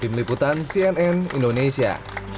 tim liputan cnn indonesia